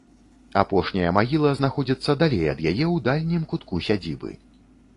Апошняя магла знаходзіцца далей ад яе ў дальнім кутку сядзібы.